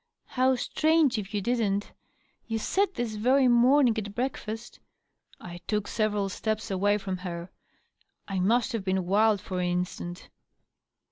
How strange if you didn't ! You said this very morning, at breakfast " I took several steps away from her. I must have been wild, for an instant.